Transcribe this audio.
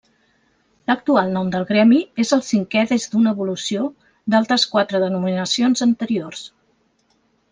L’actual nom del gremi és el cinquè des d’una evolució d’altres quatre denominacions anteriors.